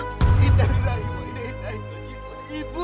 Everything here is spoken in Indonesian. indah indah ibu